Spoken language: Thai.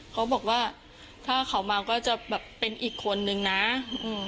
เขาบอกว่าถ้าเขาเมาก็จะแบบเป็นอีกคนนึงนะอืม